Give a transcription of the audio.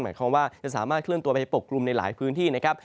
หมายความว่าจะสามารถเคลื่อนตัวไปปกกลุ่มในหลายพื้นที่นะครับ